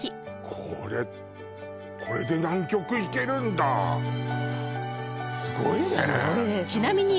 これこれで南極行けるんだすごいねすごいです